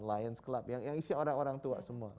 lions club yang isi orang orang tua semua